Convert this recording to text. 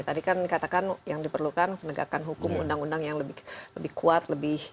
tadi kan dikatakan yang diperlukan penegakan hukum undang undang yang lebih kuat lebih